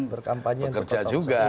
berkampanye yang terkontrol saja ya